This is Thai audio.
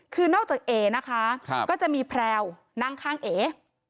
คือนอกจากเอนะคะก็จะมีแพรวนั่งข้างเอ